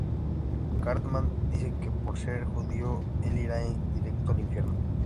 Cartman dice que por ser judío el ira directo al infierno.